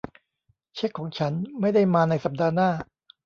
เช็คของฉันไม่ได้มาในสัปดาห์หน้า